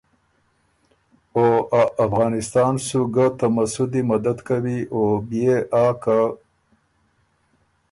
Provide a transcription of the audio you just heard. او ا افغانستان سو ګه ته مسُوذی مدد کوی او بيې آ که